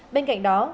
bên cạnh đó